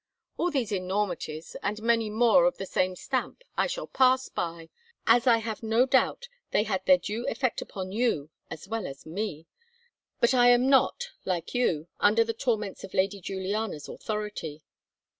All these enormities, and many more of the same stamp, I shall pass by, as I have no doubt they had their due effect upon you as well as me; but then I am not like you, under the torments of Lady Juliana's authority.